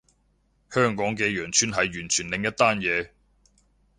香港嘅羊村係完全另一單嘢